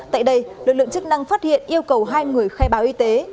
tại đây lực lượng chức năng phát hiện yêu cầu hai người khai báo y tế